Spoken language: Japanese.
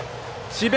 智弁